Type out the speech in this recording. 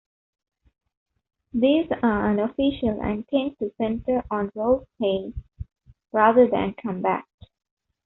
These are unofficial and tend to centre on role-playing rather than combat.